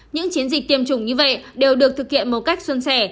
những chiến dịch tiêm chủng như vậy đều được thực hiện một cách xuân sẻ